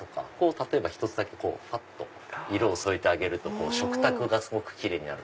例えば１つだけふぁっと色を添えてあげると食卓がすごくキレイになる。